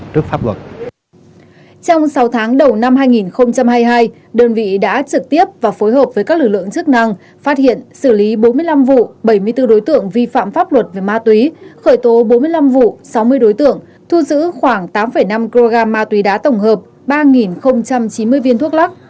trong sáu tháng đầu năm hai nghìn hai mươi hai đơn vị đã trực tiếp và phối hợp với các lực lượng chức năng phát hiện xử lý bốn mươi năm vụ bảy mươi bốn đối tượng vi phạm pháp luật về ma túy khởi tố bốn mươi năm vụ sáu mươi đối tượng thu giữ khoảng tám năm kg ma túy đá tổng hợp ba chín mươi viên thuốc lắc